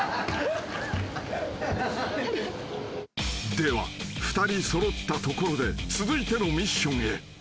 ［では２人揃ったところで続いてのミッションへ］